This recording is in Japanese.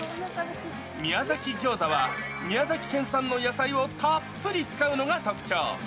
宮崎ギョーザは、宮崎県産の野菜をたっぷり使うのが特徴。